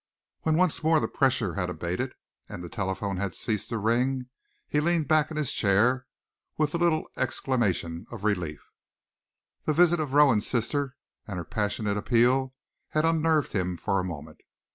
When once more the pressure had abated, and the telephone had ceased to ring, he leaned back in his chair with a little exclamation of relief. The visit of Rowan's sister, and her passionate appeal, had unnerved him for a moment.